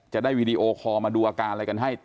จะได้วีดีโอคอลมาดูอาการอะไรกันให้